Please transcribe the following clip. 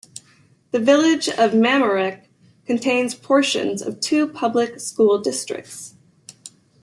The Village of Mamaroneck contains portions of two public school districts.